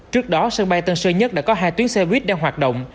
trước đó sân bay tân sơn nhất đã có hai tuyến xe buýt đang hoạt động